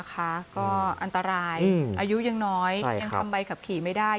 ก็อันตรายอายุยังน้อยยังทำใบขับขี่ไม่ได้